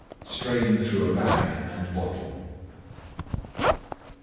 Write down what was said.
Strain through a bag and bottle.